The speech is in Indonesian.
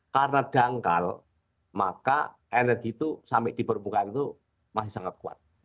karena dangkal maka energi itu sampai di permukaan itu masih sangat kuat